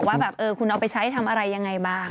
ว่าแบบคุณเอาไปใช้ทำอะไรยังไงบ้าง